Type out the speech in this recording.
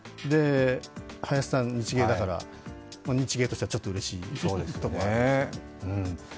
林さん、日芸だから日芸としてはちょっとうれしいところがあるんですけれども。